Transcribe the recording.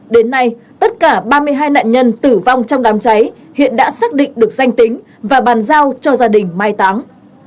đến nay tất cả ba mươi hai nạn nhân tử vong trong đám cháy hiện đã xác định được danh tính và bàn giao cho gia đình mai táng